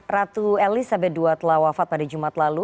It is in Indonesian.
ratu elizabeth ii telah wafat pada jumat lalu